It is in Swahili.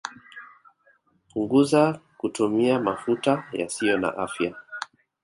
Punguzaa kutumia mafuta yasiyo na afya